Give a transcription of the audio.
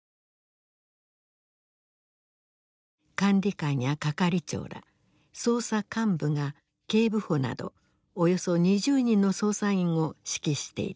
管理官や係長ら捜査幹部が警部補などおよそ２０人の捜査員を指揮していた。